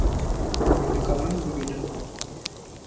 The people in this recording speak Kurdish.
Hûn dikarin bibînin